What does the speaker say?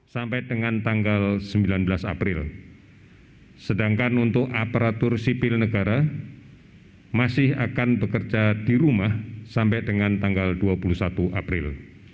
sampai dengan tanggal sembilan belas april sedangkan untuk aparatur sipil negara masih akan bekerja di rumah sampai dengan tanggal dua puluh satu april